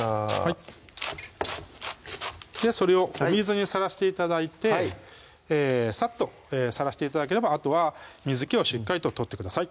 はいそれをお水にさらして頂いてさっとさらして頂ければあとは水気をしっかりと取ってください